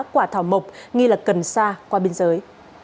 quả thảo mộc nghi là cần xa qua biên giới